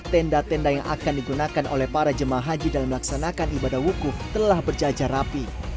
tenda tenda yang akan digunakan oleh para jemaah haji dalam melaksanakan ibadah wukuf telah berjajar rapi